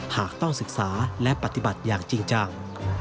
หากต้องศึกษาและปฏิบัติอย่างจริงจัง